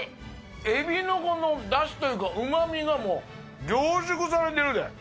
エビのこのだしというか、うまみがもう、凝縮されてるで。